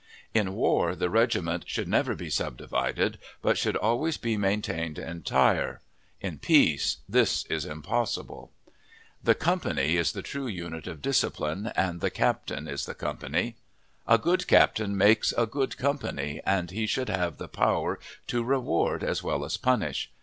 In war the regiment should never be subdivided, but should always be maintained entire. In peace this is impossible. The company is the true unit of discipline, and the captain is the company. A good captain makes a good company, and he should have the power to reward as well as punish.